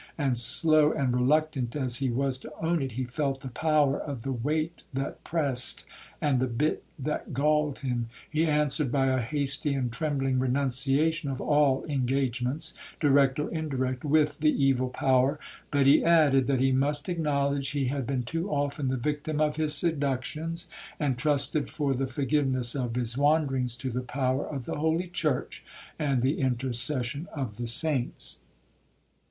And slow and reluctant as he was to own it, he felt the power of the weight that pressed, and the bit that galled him. He answered by a hasty and trembling renunciation of all engagements, direct or indirect, with the evil power; but he added, that he must acknowledge he had been too often the victim of his seductions, and trusted for the forgiveness of his wanderings to the power of the holy church, and the intercession of the saints.